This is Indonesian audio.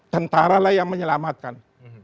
tentara lah yang menyelamatkan